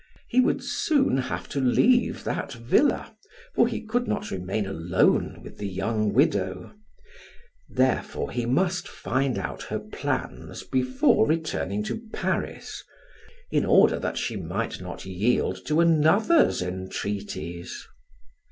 He would soon have to leave that villa, for he could not remain alone with the young widow; therefore he must find out her plans before returning to Paris, in order that she might not yield to another's entreaties.